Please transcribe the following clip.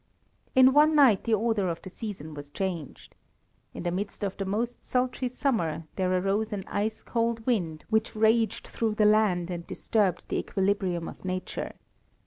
In one night the order of the seasons was changed. In the midst of the most sultry summer, there arose an ice cold wind, which raged through the land and disturbed the equilibrium of Nature.